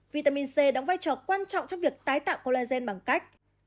vitamin c đóng vai trò quan trọng trong việc tái tạo collagen bằng cách